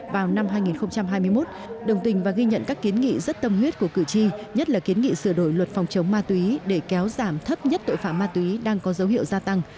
vào năm hai nghìn hai mươi một đồng tình và ghi nhận các kiến nghị rất tâm huyết của cử tri nhất là kiến nghị sửa đổi luật phòng chống ma túy để kéo giảm thấp nhất tội phạm ma túy đang có dấu hiệu gia tăng